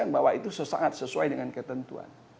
bahwa itu sangat sesuai dengan ketentuan